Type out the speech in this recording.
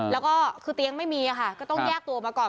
แล้วก็คือเตียงไม่มีค่ะก็ต้องแยกตัวออกมาก่อน